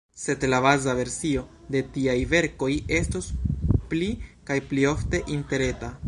Sed la baza versio de tiaj verkoj estos pli kaj pli ofte interreta.